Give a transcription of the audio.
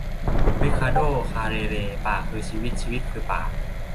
ริคาร์โด คาร์เรเร - "ป่าคือชีวิต ชีวิตคือป่า"